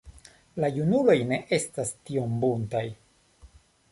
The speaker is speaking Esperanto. La junuloj ne estas tiom buntaj.